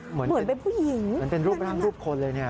เหมือนเป็นผู้หญิงเหมือนเป็นรูปควรเลย